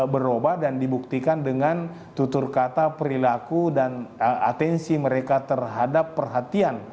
berubah dan dibuktikan dengan tutur kata perilaku dan atensi mereka terhadap perhatian